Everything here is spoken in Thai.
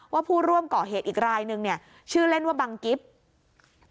ผู้ร่วมก่อเหตุอีกรายนึงเนี่ยชื่อเล่นว่าบังกิฟต์